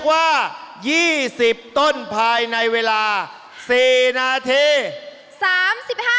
ว่า๒๐ต้นภายในเวลา๔นาที